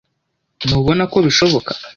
Ntubona ko bishoboka?